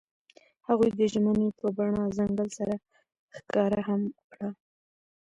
هغوی د ژمنې په بڼه ځنګل سره ښکاره هم کړه.